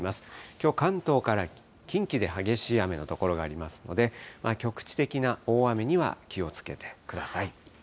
きょう、関東から近畿で激しい雨の所がありますので、局地的な大雨には気をつけてください。